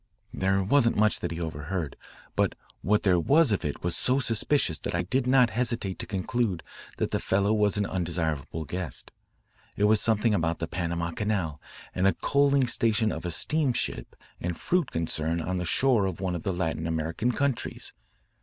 "There wasn't much that he overheard, but what there was of it was so suspicious that I did not hesitate to conclude that the fellow was an undesirable guest. It was something about the Panama Canal, and a coaling station of a steamship and fruit concern on the shore of one of the Latin American countries.